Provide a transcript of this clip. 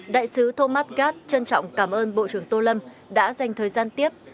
đại sứ thomas gat trân trọng cảm ơn bộ trưởng tô lâm đã dành thời gian tiếp